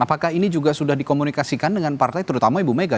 apakah ini juga sudah dikomunikasikan dengan partai terutama ibu mega